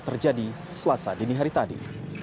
terjadi selasa dini hari tadi